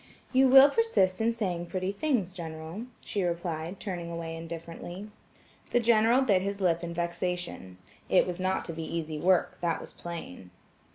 "You will persist in saying pretty things, General," she replied, turning away indifferently. The General bit his lip in vexation. It was not to be easy work, that was plain.